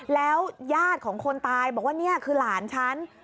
แล้วญาติของคนตายบอกว่านี่คือหลานฉัน